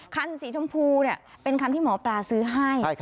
คันสีชมพูเป็นคันที่หมอปลาซื้อให้